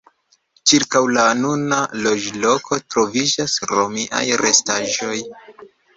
Ĉirkaŭ la nuna loĝloko troviĝas romiaj restaĵoj.